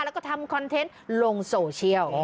แล้วก็ทำคอนเทนต์ลงโซเชียล